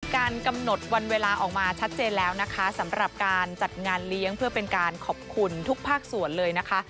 กำหนดวันเวลาออกมาชัดเจนแล้วนะคะสำหรับการจัดงานเลี้ยงเพื่อเป็นการขอบคุณทุกภาคส่วนเลยนะคะ